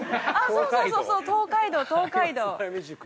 ◆そうそう、そうそう、東海道、東海道。